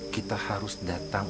kita harus datang